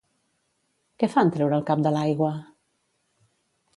Què fa en treure el cap de l'aigua?